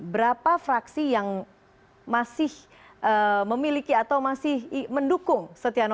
berapa fraksi yang masih memiliki atau masih mendukung setia novanto